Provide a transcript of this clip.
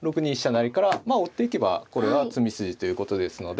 成から追っていけばこれは詰み筋ということですので。